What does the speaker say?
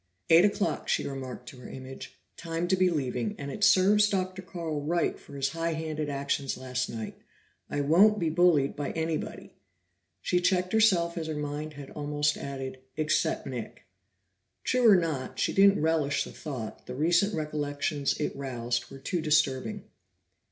"Eight o'clock," she remarked to her image; "Time to be leaving, and it serves Dr. Carl right for his high handed actions last night. I won't be bullied by anybody." She checked herself as her mind had almost added, "Except Nick." True or not, she didn't relish the thought; the recent recollections it roused were too disturbing.